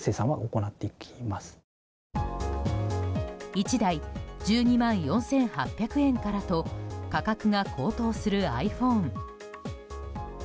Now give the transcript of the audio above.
１台１２万４８００円からと価格が高騰するｉＰｈｏｎｅ。